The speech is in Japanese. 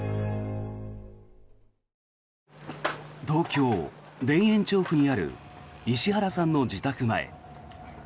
東京・田園調布にある石原さんの自宅前。